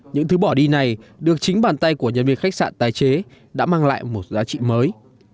những thứ bỏ đi này được chính bàn tay của nhân viên khách sạn tái chế đã mang lại một giá trị mới